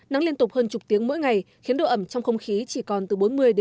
nắng liên tục hơn chục tiếng mỗi ngày khiến độ ẩm trong không khí chỉ còn từ bốn mươi năm mươi năm